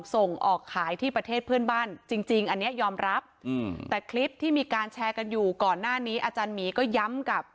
ส่งออกขายที่ประเทศเพื่อนบ้านจริงจริงอันนี้ยอมรับแต่คลิปที่มีการแชร์กันอยู่ก่อนหน้านี้อาจารย์หมีก็ย้ำกับ